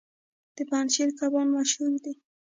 د پنجشیر کبان مشهور دي